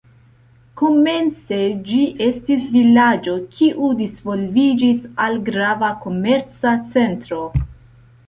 Komence ĝi estis vilaĝo, kiu disvolviĝis al grava komerca centro.